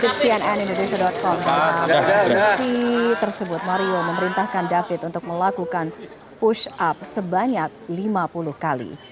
pada musim ini mario memerintahkan david untuk melakukan push up sebanyak lima puluh kali